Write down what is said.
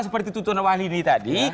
seperti tutunan wali ini tadi